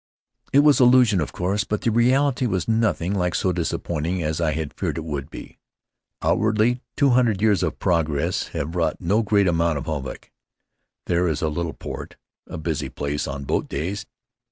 It was illusion, of course, but the reality was nothing like so disappointing as I had feared it would be. Outwardly, two hundred years of progress have wrought no great amount of havoc. There is a little port, a busy place on boat days.